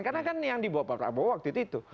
karena kan yang dibawa pak prabowo waktu itu